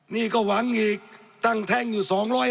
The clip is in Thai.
นี่ก็หวังอีกตั้งแท่งอยู่๒๕๐